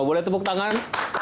boleh tepuk tangan